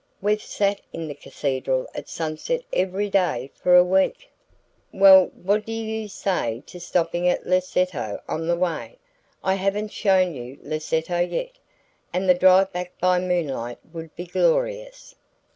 "We've sat in the cathedral at sunset every day for a week." "Well, what do you say to stopping at Lecceto on the way? I haven't shown you Lecceto yet; and the drive back by moonlight would be glorious."